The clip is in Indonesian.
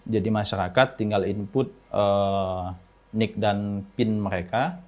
jadi masyarakat tinggal input nic dan pin mereka